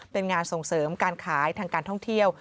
เป็นงานส่งเสริมการขายทางการท่องเที่ยว